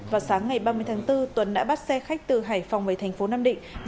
vào sáng ngày ba mươi tháng bốn tuấn đã bắt xe khách từ hải phòng về tp nam định